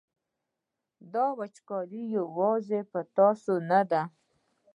دا وچکالي یوازې په تاسې نه ده.